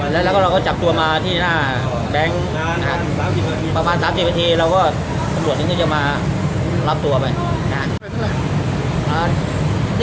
แล้วเราก็จับตัวมาที่หน้าแบงค์ประมาณ๓๐นาทีก็จะมารับตัวไป